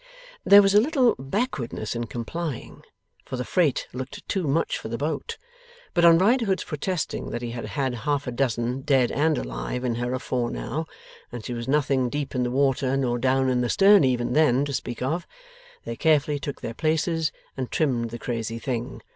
There was a little backwardness in complying, for the freight looked too much for the boat; but on Riderhood's protesting 'that he had had half a dozen, dead and alive, in her afore now, and she was nothing deep in the water nor down in the stern even then, to speak of;' they carefully took their places, and trimmed the crazy thing.